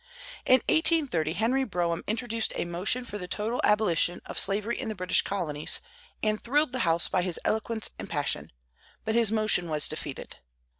In 1830, Henry Brougham introduced a motion for the total abolition of slavery in the British colonies, and thrilled the House by his eloquence and passion; but his motion was defeated.